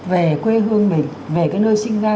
về quê hương mình về cái nơi sinh ra